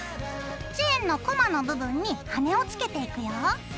チェーンのコマの部分に羽根をつけていくよ。